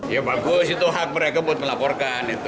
ya bagus itu hak mereka buat melaporkan